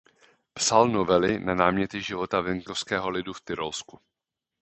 Psal novely na náměty života venkovského lidu v Tyrolsku.